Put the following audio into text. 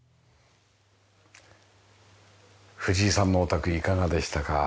藤井さんのお宅いかがでしたか？